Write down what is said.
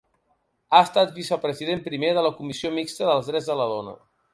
Ha estat vicepresident primer de la Comissió Mixta dels Drets de la Dona.